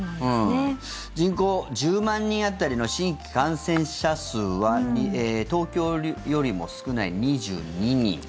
人口１０万人当たりの新規感染者数は東京よりも少ない２２人。